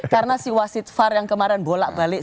karena si wasit far yang kemarin bolak balik